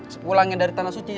sepulangnya dari tanah suci